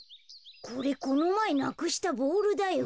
これこのまえなくしたボールだよ。